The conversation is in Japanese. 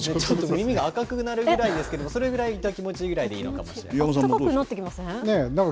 耳が赤くなるぐらいですけど、それぐらい、いた気持ちいいぐらあったかくなってきません？